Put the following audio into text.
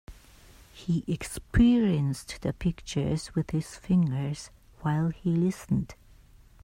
He experienced the pictures with his fingers while he listened.